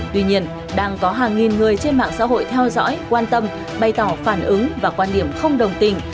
tuy nhiên đang có hàng nghìn người trên mạng xã hội theo dõi quan tâm bày tỏ phản ứng và quan điểm không đồng tình